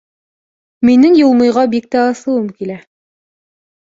Минең Юлмыйға бик тә асыуым килә.